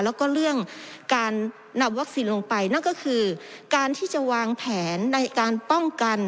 แล้วก็เรื่องการนำวัคซีนลงไปนั่นก็คือการที่จะวางแผนในการป้องกัน